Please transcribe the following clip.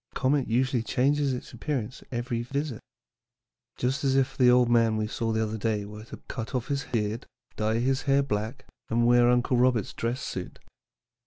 A comet usually changes its appearance at every visit. Just as if the old man we saw the other day were to cut off his beard, dye his hair black, and wear Uncle Robert's dress suit.